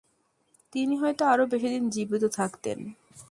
তিনি হয়তো আরও বেশিদিন জীবিত থাকতেন।